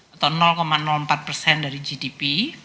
atau empat persen dari gdp